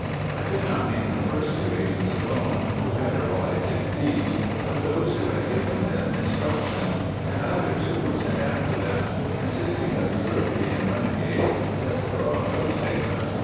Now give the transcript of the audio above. I do not mean the first two agents alone, who had arrived in Thebes, but those who had given them instructions, and others who were sent after them, consisting of European renegadoes, desperadoes, exiles, &c.